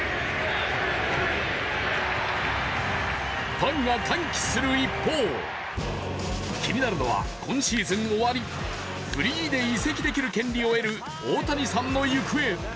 ファンが歓喜する一方、気になるのは今シーズン終わりフリーで移籍する権利を得る大谷さんの行方。